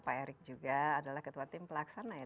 pak erick juga adalah ketua tim pelaksana ya